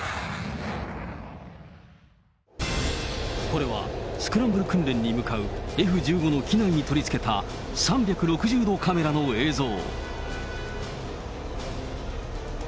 これはスクランブル訓練に向かうＦ１５の機内に取り付けた３６０度カメラの映像。